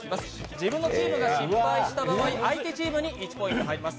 自分のチームが失敗した場合、相手チームに１ポイント入ります。